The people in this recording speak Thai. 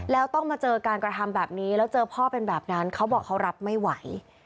แล้วต้องมาเจอการกระทำแบบนี้แล้วเจอพ่อเป็นแบบนั้นเขาบอกเขารับไม่ไหว